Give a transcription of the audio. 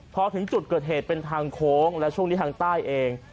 พอถึงจุดเกิดเหตุเป็นทางโค้งและช่วงนี้ทางใต้เอง